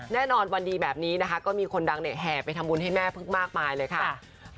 แน่นอนวันดีแบบนี้นะคะก็มีคนดังเนี่ยแห่ไปทำบุญให้แม่พึ่งมากมายเลยค่ะ